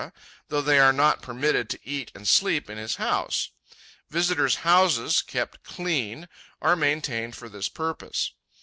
though they are not permitted to eat and sleep in his house. Visitors' houses, kept "clean," are maintained for this purpose.